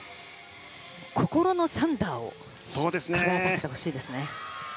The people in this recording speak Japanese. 心のサンダーを輝かせてほしいですね。